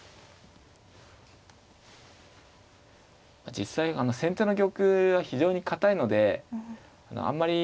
実際先手の玉は非常に堅いのであんまり